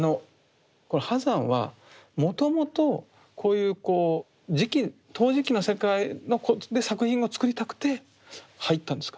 波山はもともとこういう磁器陶磁器の世界で作品を作りたくて入ったんですか？